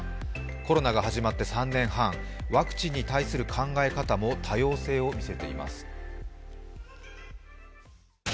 コロナが始まって３年半、ワクチンに関する考え方も多様性を見せています。